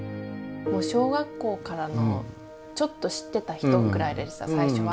もう小学校からのちょっと知ってた人ぐらいでした最初は。